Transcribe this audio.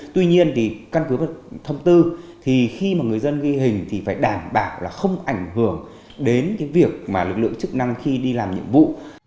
tuy nhiên căn cứ thông tư khi người dân ghi hình thì phải đảm bảo là không ảnh hưởng đến việc lực lượng chức năng khi đi làm nhiệm vụ